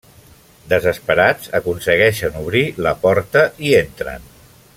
Desesperats aconsegueixen obrir la porta i entren.